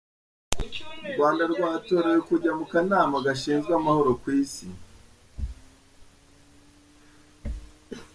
U Rwanda rwatorewe kujya mu Kanama Gashinzwe Amahoro ku isi